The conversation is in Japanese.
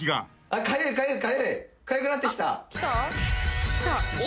かゆくなってきた。